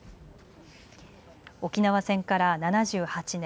沖縄戦から７８年。